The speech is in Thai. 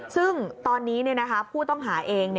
ซึ่งตอนนี้ผู้ต้องหาเอง